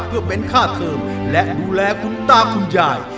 เพื่อเป็นค่าเทิมและดูแลคุณตาคุณยาย